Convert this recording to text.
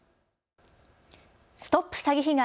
ＳＴＯＰ詐欺被害！